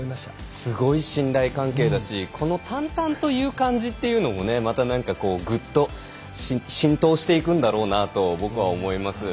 すごい信頼関係だし淡々と言う感じというのもぐっと浸透していくんだろうなと僕は思います。